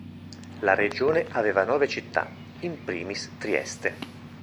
La regione aveva nove città, in primis Trieste.